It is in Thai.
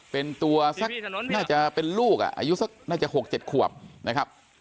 เป็นตัวสักน่าจะเป็นลูกอายุสักน่าจะ๖๗ขวบนะครับ